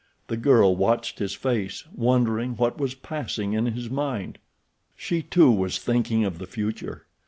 The girl watched his face, wondering what was passing in his mind. She, too, was thinking of the future.